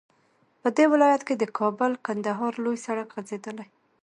په دې ولايت كې د كابل- كندهار لوى سړك غځېدلى